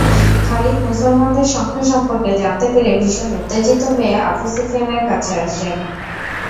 খালিদ মুসলমানদের সংখ্যা সম্পর্কে জানতে পেরে ভীষণ উত্তেজিত হয়ে আবু সুফিয়ানের কাছে আসেন।